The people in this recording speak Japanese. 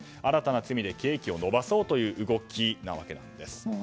新たな罪で刑期を延ばそうという動きなわけなんです。